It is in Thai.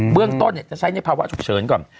เรื่องต้นจะใช้ในภาวะฉุกเฉินก่อน